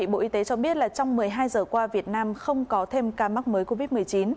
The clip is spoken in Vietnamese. bộ y tế cho biết trong một mươi hai giờ qua việt nam không có thêm ca mắc mới covid một mươi chín